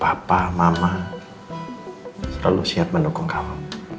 bapak mama selalu siap mendukung kamu